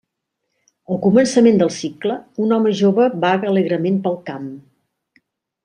Al començament del cicle, un home jove vaga alegrement pel camp.